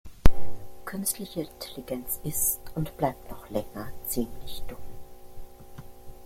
Künstliche Intelligenz ist und bleibt noch länger ziemlich dumm.